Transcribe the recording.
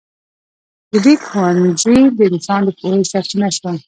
د لیک ښوونځي د انسان د پوهې سرچینه شول.